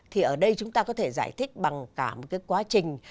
thì ở đây chúng ta có thể giải thích bằng cả một cái quá trình